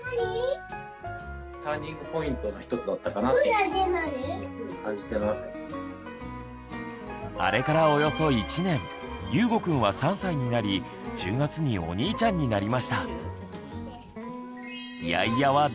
無意識のうちにあれからおよそ１年ゆうごくんは３歳になり１０月にお兄ちゃんになりました。